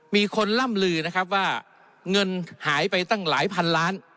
มีคนล่ำลือนะครับว่าเงินหายไปตั้งหลายพันล้าน